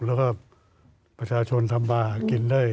แล้วก็ประชาชนทำมาหากินได้